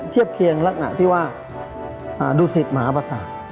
เทียบเคียงลักษณะที่ว่าดูสิตมหาประสาท